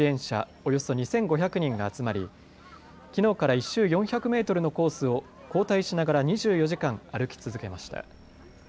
およそ２５００人が集まりきのうから１周４００メートルのコースを交代しながら２４時間歩き続けました。